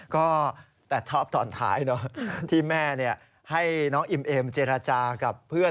ก็แต่ท็อปตอนท้ายที่แม่ให้น้องอิมเอมเจรจากับเพื่อน